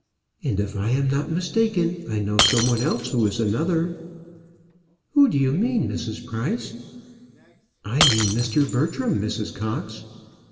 "And, if I am not mistaken, I know some one else who is another." "Who do you mean, Mrs. Price?" "I mean Mr. Bertram, Mrs. Cox."